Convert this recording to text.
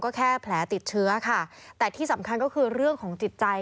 ก็แค่แผลติดเชื้อค่ะแต่ที่สำคัญก็คือเรื่องของจิตใจ